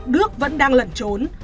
đức vẫn đang lẩn trốn